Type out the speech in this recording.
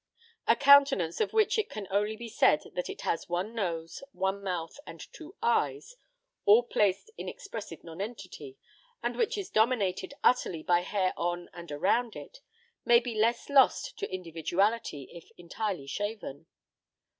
A countenance of which it can only be said that it has one nose, one mouth, and two eyes, all placed in expressive nonentity, and which is dominated utterly by hair on and around it, may be less lost to individuality if entirely shaven.